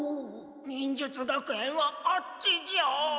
忍術学園はあっちじゃ。